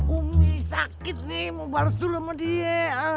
umi sakit nih mau barus dulu sama dia